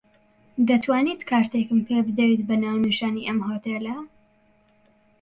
دەتوانیت کارتێکم پێ بدەیت بە ناونیشانی ئەم هۆتێلە.